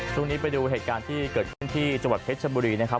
ช่วงนี้ไปดูเหตุการณ์ที่เกิดขึ้นที่จังหวัดเพชรชบุรีนะครับ